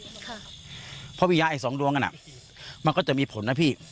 เพราะวิญญาณไอ้สองดวงกันอ่ะมันก็จะมีผลนะพี่